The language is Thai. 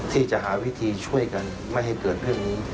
ที่จะหาวิธีช่วยกันไม่ให้เกิดเรื่องนี้